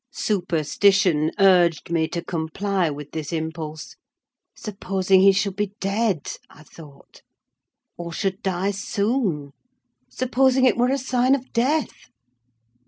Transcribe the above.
Superstition urged me to comply with this impulse: supposing he should be dead! I thought—or should die soon!—supposing it were a sign of death!